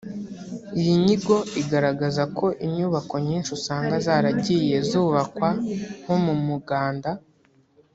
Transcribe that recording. Iyi nyigo igaragaza ko inyubako nyinshi usanga zaragiye zubakwa nko mu muganda